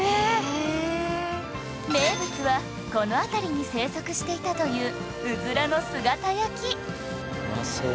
名物はこの辺りに生息していたといううずらの姿焼き